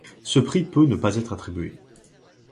Ce prix peut ne pas être attribué.